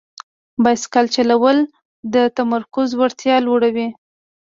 بایسکل چلول د تمرکز وړتیا لوړوي.